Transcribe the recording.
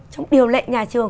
trong điều lệ nhà trường